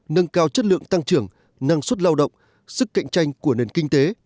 nâng cao chất lượng tăng trưởng năng suất lao động sức cạnh tranh của nền kinh tế